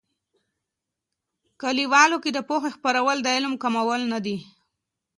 کلیوالو کې د پوهې خپرول، د علم کموالی نه دي.